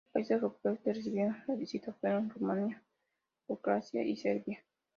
Otros países europeos que recibieron la visita fueron Rumanía, Croacia y Serbia.